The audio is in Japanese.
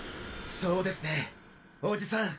そうですねおじさん！